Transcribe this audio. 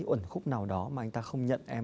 uẩn khúc nào đó mà anh ta không nhận em